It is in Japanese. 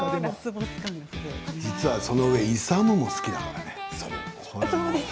実はそのうえ勇も好きだからね。